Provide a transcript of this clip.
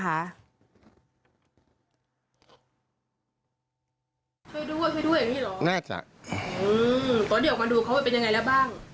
ช่วยด้วยช่วยด้วยนี่เหรอแน่จักอ๋อตอนเดี๋ยวมาดูเขาจะเป็นยังไงแล้วบ้าง